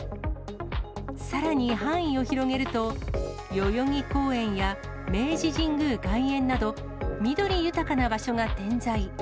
さらに範囲を広げると、代々木公園や明治神宮外苑など、緑豊かな場所が点在。